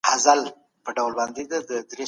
لومړی، دوهم او درېيم پېژنو.